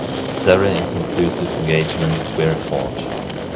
Several inconclusive engagements were fought.